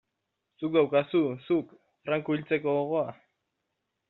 Zuk daukazu, zuk, Franco hiltzeko gogoa?